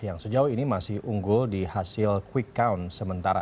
yang sejauh ini masih unggul di hasil quick count sementara